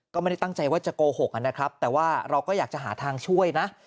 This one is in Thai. ก็ไม่ได้ตั้งใจว่าจะโกหกนะครับแต่ว่าเราก็อยากจะหาทางช่วยนะ